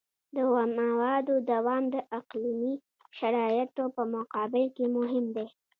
د موادو دوام د اقلیمي شرایطو په مقابل کې مهم دی